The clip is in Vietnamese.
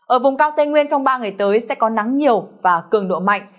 ở vùng cao tây nguyên trong ba ngày tới sẽ có nắng nhiều và cường độ mạnh